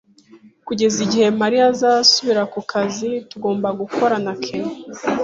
Kugeza igihe Mariya azasubira ku kazi, tugomba gukora na Ken